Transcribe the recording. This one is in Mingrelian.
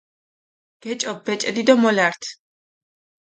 გეჭოფჷ ბეჭედი დო მოლართჷ.